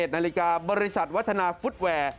๑นาฬิกาบริษัทวัฒนาฟุตแวร์